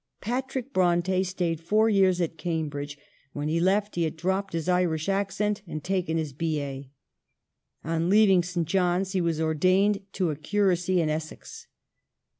Patrick Bronte stayed four years at Cam bridge ; when he left he had dropped his Irish accent and taken his B.A. On leaving St. John's he was ordained to a curacy in Essex.